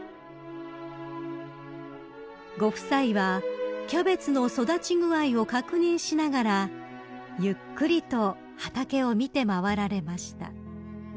［ご夫妻はキャベツの育ち具合を確認しながらゆっくりと畑を見て回られました］